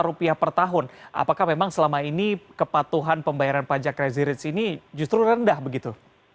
rupiah per tahun apakah memang selama ini kepatuhan pembayaran pajak rezi ini justru rendah begitu